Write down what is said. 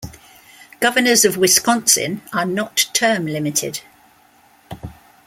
Governors of Wisconsin are not term limited.